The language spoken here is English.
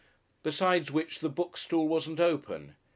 Besides which the bookstall wasn't open.